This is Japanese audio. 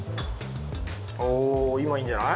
おぉ今いいんじゃない？